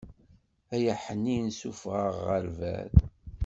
Ay aḥnin sufeɣ-aɣ ɣer lber.